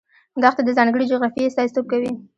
دښتې د ځانګړې جغرافیې استازیتوب کوي.